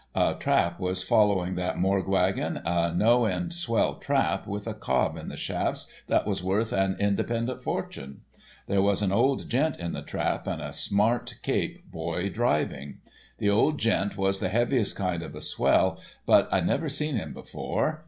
A trap was following that morgue wagon, a no end swell trap, with a cob in the shafts that was worth an independent fortune. There was an old gent in the trap and a smart Cape boy driving. The old gent was the heaviest kind of a swell, but I'd never seen him before.